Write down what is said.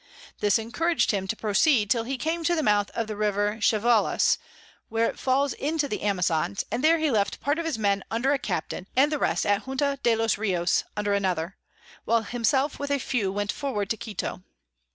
This encourag'd him to proceed till he came to the Mouth of the River Chevelus, where it falls into the Amazons, and there he left part of his Men under a Captain, and the rest at Junta de los Rios under another; while himself with a few went forward to Quito.